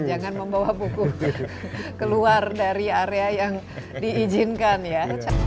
jangan membawa buku keluar dari area yang diizinkan ya